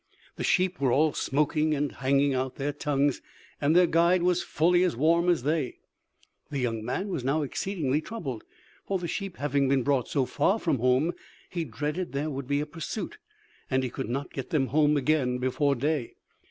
The sheep were all smoking, and hanging out their tongues, and their guide was fully as warm as they. The young man was now exceedingly troubled, for the sheep having been brought so far from home, he dreaded there would be a pursuit, and he could not get them home again before day.